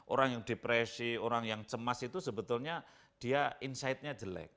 orang yang depresi orang yang cemas itu sebetulnya dia insightnya jelek